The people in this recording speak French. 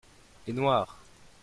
les noires.